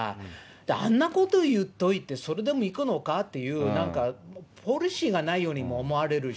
あんなこと言っといて、それでも行くのかという、なんかポリシーがないようにも思われるし。